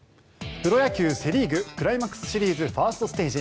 プロ野球、セ・リーグクライマックスシリーズファーストステージ。